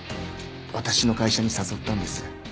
私の会社に誘ったんです。